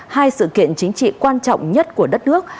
hai sự kiện chính trị quan trọng nhất của đất nước